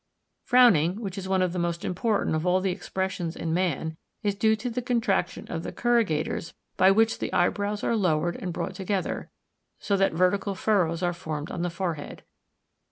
Frowning, which is one of the most important of all the expressions in man, is due to the contraction of the corrugators by which the eyebrows are lowered and brought together, so that vertical furrows are formed on the forehead.